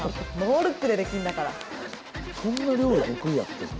そんな料理得意やってんな。